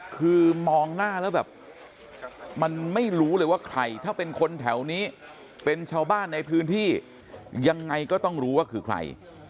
คือมองหน้าแล้วแบบมันไม่รู้เลยว่าใครถ้าเป็นคนแถวนี้เป็นชาวบ้านในพื้นที่ยังไงก็ต้องรู้ว่าคือใคร